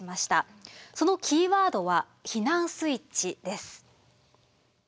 そのキーワードは「避難スイッチ」です。